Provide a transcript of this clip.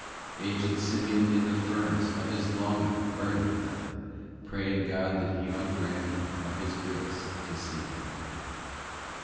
ii Aged Simeon in the furnace Of his longing, burning lay, Praying God that He would grant him Of His grace to see that day.